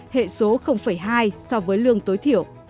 hệ số hai so với lương tối thiểu